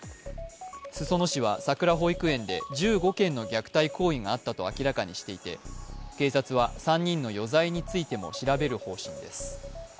裾野市はさくら保育園で１５件の虐待行為があったと明らかにしていて警察は３人の余罪についても調べる方針です。